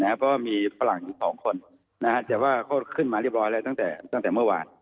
ลดทานโดยมีตาลังอยู่๒คนนะฮะเข้าขึ้นมาเรียบร้อยตั้งแต่เมื่อวาน